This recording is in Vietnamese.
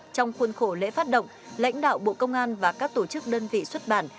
trong khuôn khổ lễ phát động lãnh đạo bộ công an và các tổ chức đơn vị xuất bản